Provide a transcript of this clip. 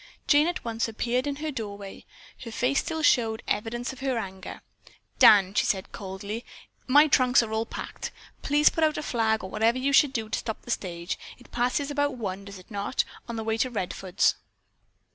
Jane at once appeared in her doorway. Her face still showed evidence of her anger. "Dan," she said coldly, "my trunks are all packed. Please put out a flag or whatever you should do to stop the stage. It passes about one, does it not, on the way to Redfords?"